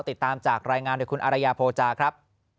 ติดตามจากรายงานโดยคุณอารยาโภจาครับ